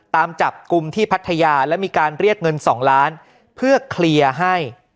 ตามจับกลุ่มที่พัทยาและมีการเรียกเงิน๒ล้านเพื่อเคลียร์ให้